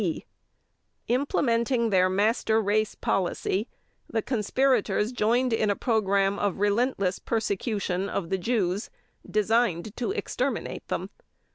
(d) Implementing their "master race" policy, the conspirators joined in a program of relentless persecution of the Jews, designed to exterminate them.